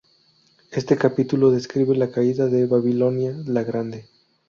Este capítulo describe la caída de Babilonia la Grande.